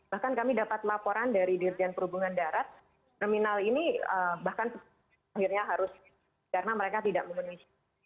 bahkan kami dapat laporan dari dirjen perhubungan darat terminal ini bahkan akhirnya harus karena mereka tidak memenuhi syarat